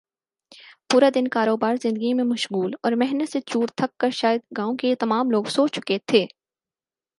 پورا دن کاروبار زندگی میں مشغول اور محنت سے چور تھک کر شاید گاؤں کے تمام لوگ سو چکے تھے